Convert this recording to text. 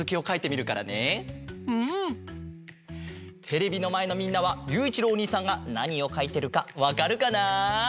テレビのまえのみんなはゆういちろうおにいさんがなにをかいてるかわかるかな？